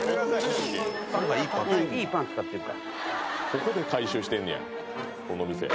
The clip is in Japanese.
「ここで回収してんねやこの店」